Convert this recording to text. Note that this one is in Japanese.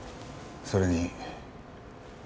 それに。